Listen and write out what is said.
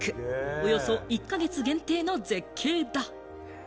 およそ１か月限定の絶景だ。